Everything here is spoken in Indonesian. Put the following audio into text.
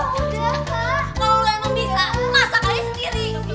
kalau lu emang bisa